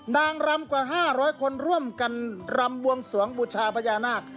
นางรำกว่า๕๐๐คนร่วมกันรำบวงสวงบูชาพญานาค